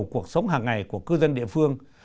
cuộc sống hàng ngày của cư dân địa phương